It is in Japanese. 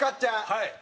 はい。